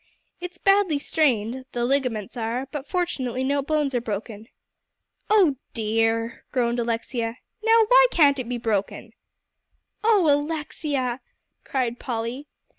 "It's badly strained, the ligaments are; but fortunately no bones are broken." "Oh dear!" groaned Alexia. "Now why can't it be broken?" "Oh Alexia!" cried Polly.